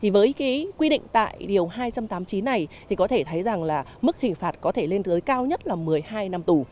với quy định tại điều hai trăm tám mươi chín này thì có thể thấy rằng là mức hình phạt có thể lên tới cao nhất là một mươi hai năm tù